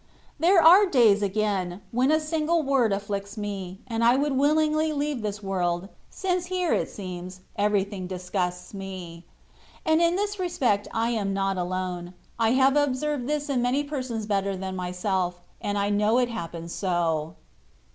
There are days again^ when a single word afflicts me, and I would willingly leave this world, since here, it seems, everything disgusts me. And in this respect I am not alone ; I have observed this in many persons better than myself, and I know it happens so.